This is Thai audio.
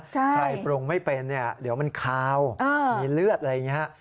ใครปรุงไม่เป็นเนี่ยเดี๋ยวมันคาวมีเลือดอะไรอย่างนี้ฮะ